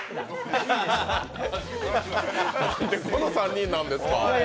なんでこの３人なんですか。